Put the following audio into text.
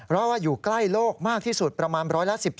เพราะว่าอยู่ใกล้โลกมากที่สุดประมาณร้อยละ๑๒